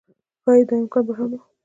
ښايي دا امکان به هم و